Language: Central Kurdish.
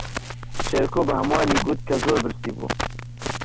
شێرکۆ بە ھەمووانی گوت کە زۆر برسی بوو.